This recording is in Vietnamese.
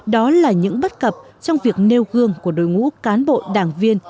đó là những bất cập trong việc nêu gương của đối ngũ cán bộ đảng viên